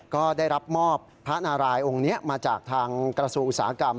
ก็ได้รับมอบพระนารายองค์นี้มาจากทางกระทรวงอุตสาหกรรม